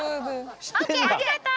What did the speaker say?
ＯＫありがとう。